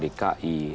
di sengketa dki